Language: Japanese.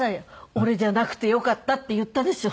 「俺じゃなくてよかった」って言ったでしょ？